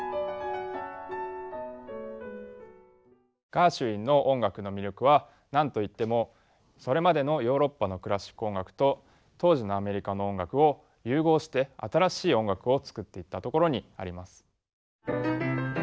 ガーシュウィンの音楽の魅力は何と言ってもそれまでのヨーロッパのクラシック音楽と当時のアメリカの音楽を融合して新しい音楽を作っていったところにあります。